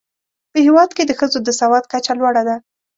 په هېواد کې د ښځو د سواد کچه لوړه ده.